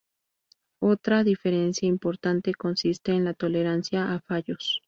Otra diferencia importante consiste en la tolerancia a fallos.